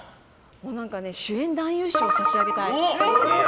何かね主演男優賞を差し上げたい。